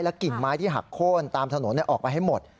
กิ่งไม้ที่หักโค้นตามถนนออกไปให้หมด